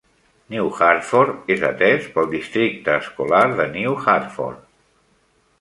New Hartford és atès pel districte escolar de New Hartford.